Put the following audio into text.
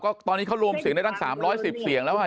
ตอนนี้เขารวมศีลในทั้ง๓๑๐เหมือนไร